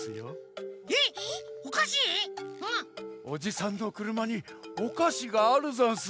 おじさんのくるまにおかしがあるざんす。